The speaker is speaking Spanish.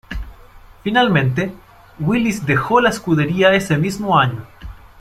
Finalmente, Willis dejó la escudería ese mismo año.